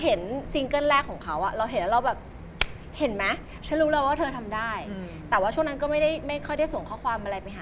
โอ้พี่เขามูกันทั้งวงการอะพี่